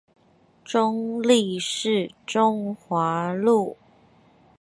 中壢市中華路